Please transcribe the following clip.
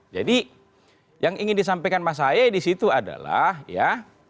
jadi yang ingin disampaikan mas ahayu di situ adalah ya